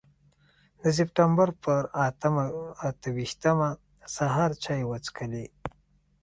د سپټمبر پر اته ویشتمه سهار چای وڅښلې.